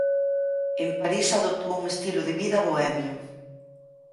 En París adoptou un estilo de vida bohemio.